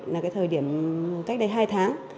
là cái thời điểm cách đây hai tháng